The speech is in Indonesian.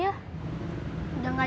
udah gak jualan kali